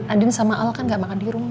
adin sama al kan gak makan di rumah